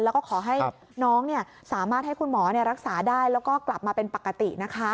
แล้วก็ขอให้น้องสามารถให้คุณหมอรักษาได้แล้วก็กลับมาเป็นปกตินะคะ